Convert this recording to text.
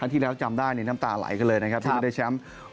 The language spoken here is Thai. ที่แล้วจำได้นี่น้ำตาไหลกันเลยนะครับที่ไม่ได้แชมป์